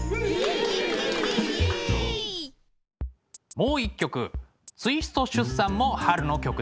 もう一曲「ツイスト出産」も春の曲です。